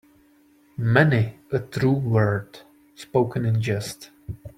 Many a true word spoken in jest.